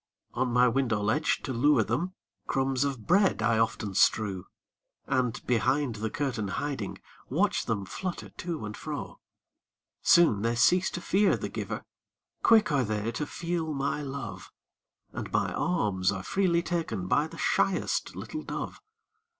On my window ledge, to lure them, Crumbs of bread I often strew, And, behind the curtain hiding, Watch them flutter to and fro. Soon they cease to fear the giver, Quick are they to feel my love, And my alms are freely taken By the shyest little dove.